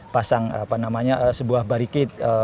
pasang apa namanya sebuah barikit